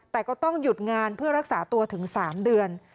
แต่ก็ต้องหยุดงานเพื่อรักษาตัวถึง๓เดือน